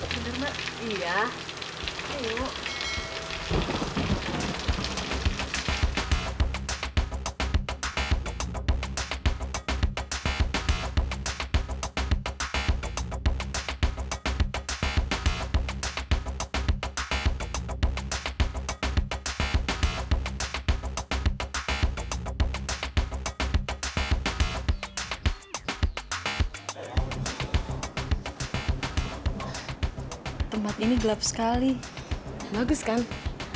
oke gue akan kasih baju ke lo